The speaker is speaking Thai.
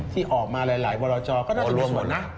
ที่ออกมาหลายวัลจอก็น่าจะดูสุดนะ